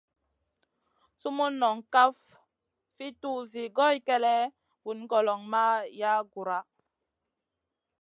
Sumun noŋ kaf fi tuzi goy kélèʼèh, vun goloŋ ma yaʼ Guhra.